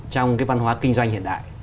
trong văn hóa kinh doanh hiện đại